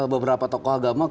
beberapa tokoh agama